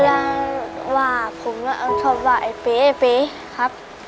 เวลาว่าผมชอบว่าไอ้ปี๊ไอ้ปี๊ครับ